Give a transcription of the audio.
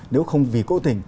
nếu không vì cố tình